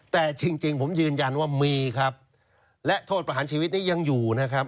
แต่จริงผมยืนยันว่ามีครับและโทษประหารชีวิตนี้ยังอยู่นะครับ